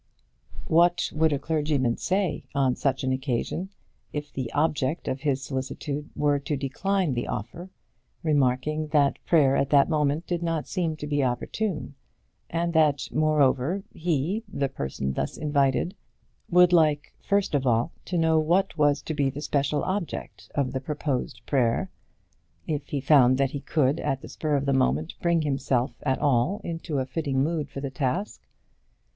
What would a clergyman say on such an occasion if the object of his solicitude were to decline the offer, remarking that prayer at that moment did not seem to be opportune; and that, moreover, he, the person thus invited, would like, first of all, to know what was to be the special object of the proposed prayer, if he found that he could, at the spur of the moment, bring himself at all into a fitting mood for the task?